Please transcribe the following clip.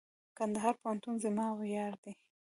کندهار پوهنتون زما ویاړ دئ.